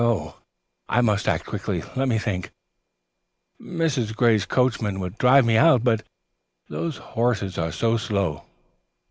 Oh, I must act quickly. Let me think. Mrs. Gray's coachman would drive me out, but those horses are so slow.